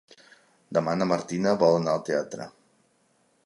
Demà na Martina vol anar al teatre.